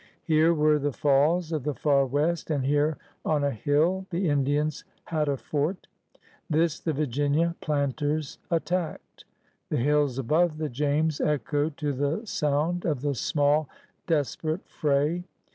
Here were the Falls of the Far West, and here on a hill the Indians had a "fort. This the Virginia planters attacked. The hills above the James echoed to the sound of the small, desperate fray.